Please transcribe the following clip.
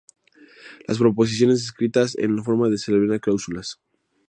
Las proposiciones escritas en esta forma se les denomina cláusulas.